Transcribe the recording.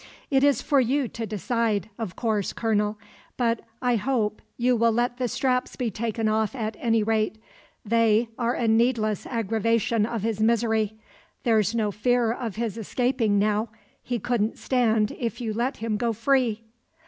"It is for you to decide, of course, colonel; but I hope you will let the straps be taken off at any rate. They are a needless aggravation of his misery. There's no fear of his escaping now. He couldn't stand if you let him go free."